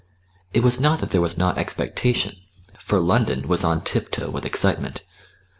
It was not that there was not expectation for London was on tip toe with excitement.